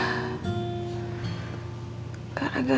terus sama bang muhid